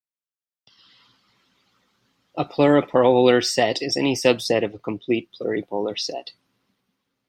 A "pluripolar set" is any subset of a complete pluripolar set.